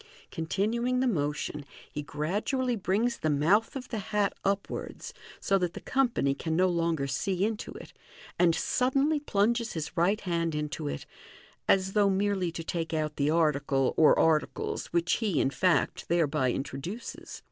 Continuing the motion, he gradually brings the mouth of the hat Upwards, so that the company can no longer see into it, and suddenly plunges his right hand into it, as though merely to take out the article or articles which he, in fact, thereby introduces.